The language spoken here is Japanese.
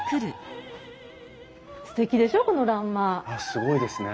すごいですね。